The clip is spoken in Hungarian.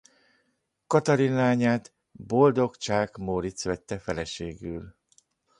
Katalin lányát Boldog Csák Móric vette feleségül.